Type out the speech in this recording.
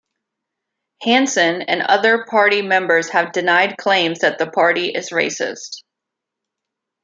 Hanson and other party members have denied claims that the party is racist.